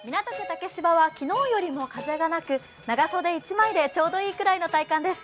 竹芝は昨日よりも風がなく長袖一枚でちょうどいいくらいの体感です。